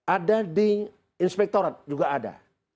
ada di inspektorat juga ada